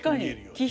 確かに。